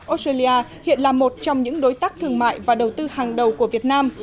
australia hiện là một trong những đối tác thương mại và đầu tư hàng đầu của việt nam